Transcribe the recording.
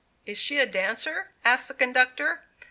Is she a dancer?" asked the conductor.